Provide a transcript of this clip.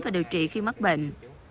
điều trị khi mắc bệnh